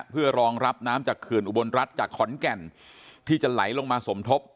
เพื่อรองรับน้ำจากเขื่อนอุบลรัฐจากขอนแก่นที่จะไหลลงมาสมทบ